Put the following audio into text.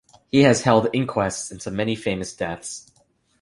He has held inquests into many famous deaths.